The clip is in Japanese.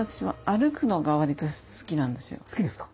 好きですか？